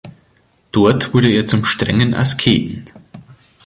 Dort wurde er zum strengen Asketen.